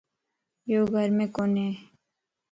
يو گھر مَ ڪوني